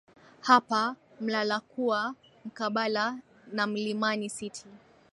hapa mlalakuwa mkabala na mlimani city